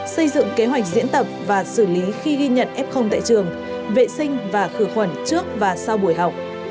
xây dựng kế hoạch diễn tập và xử lý khi ghi nhận f tại trường vệ sinh và khử khuẩn trước và sau buổi học